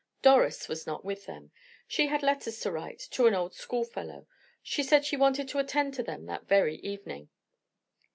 Doris was not with them; she had letters to write to an old schoolfellow; she said she wanted to attend to them that very evening.